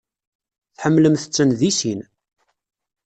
Tḥemmlemt-ten deg sin.